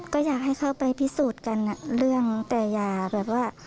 ก็อยากให้เขาไปพิสูจน์กันเรื่องแต่อย่าแบบว่า